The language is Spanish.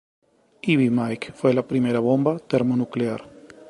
Ivy Mike fue la primera bomba termonuclear.